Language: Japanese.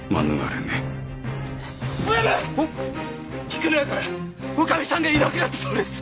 菊乃屋からおかみさんがいなくなったそうです！